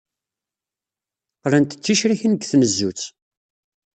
Qqlent d ticrikin deg tnezzut.